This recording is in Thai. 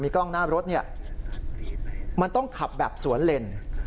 กล้องหน้ารถมันต้องขับแบบสวนเลน